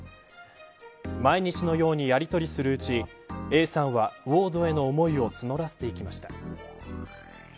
毎日のようにやりとりするうちＡさんは、ウォードへの思いを募らせていきました。